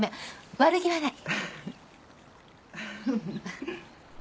悪気はない。